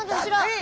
え？